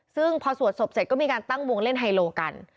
ซึ่งพอสวดศพเสร็จก็มีการตั้งวงเล่นไฮโลกัน